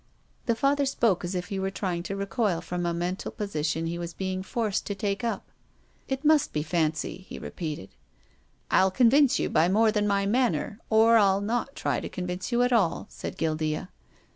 The Father spoke as if he were trying to recoil from a mental position he was being forced to take up. " It must be fancy," he repeated. " I'll convince you by mr)rc than my manner, or I'll not try to convince you at all," said Guildea.